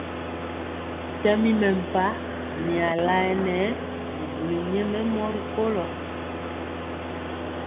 Tɛmi mɛmpah mia laɛnɛ bubuli nyɛmemɔ rikolo.